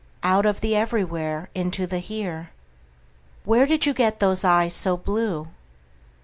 Out of the everywhere into the here. Where did you get those eyes so blue?